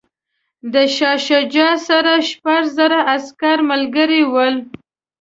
د شاه شجاع سره شپږ زره عسکر ملګري ول.